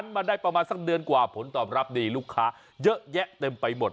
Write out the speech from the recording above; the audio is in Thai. มาได้ประมาณสักเดือนกว่าผลตอบรับดีลูกค้าเยอะแยะเต็มไปหมด